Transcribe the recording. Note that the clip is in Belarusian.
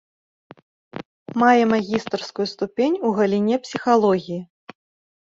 Мае магістарскую ступень у галіне псіхалогіі.